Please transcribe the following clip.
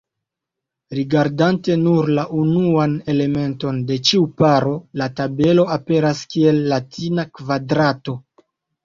Rigardante nur la unuan elementon de ĉiu paro, la tabelo aperas kiel latina kvadrato.